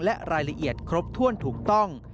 และรายละเอียดครบถ้วนถูกต้อง